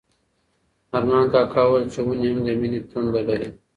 ارمان کاکا وویل چې ونې هم د مینې تنده لري.